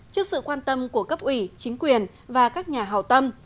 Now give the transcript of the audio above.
trước sự quan tâm của cấp ủy chính quyền và các nhà hào tâm